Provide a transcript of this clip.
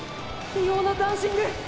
異様なダンシング！